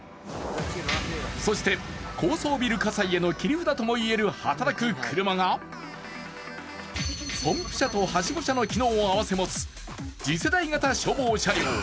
そして、高層ビル火災への切り札ともいえる、はたらく車がポンプ車とはしご車の機能を合わせ持つ次世代型消防車両